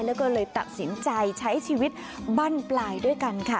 แล้วก็เลยตัดสินใจใช้ชีวิตบั้นปลายด้วยกันค่ะ